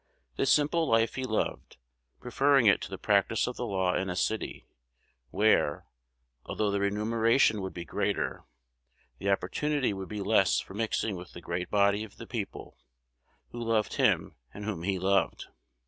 "This simple life he loved, preferring it to the practice of the law in a city, where, although the remuneration would be greater, the opportunity would be less for mixing with the great body of the people, who loved him, and whom he loved.